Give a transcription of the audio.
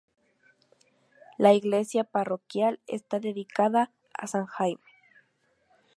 La iglesia parroquial está dedicada a San Jaime.